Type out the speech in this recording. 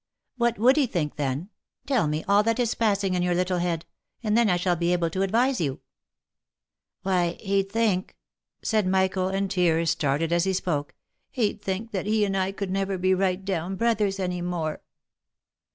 " What would he think, then? — Tell me all that is passing in your little head, and then I shall be able to advise you." " Why, he'd think," said Michael, and tears started as he spoke —" he'd think that he and I could never be right down brothers any more."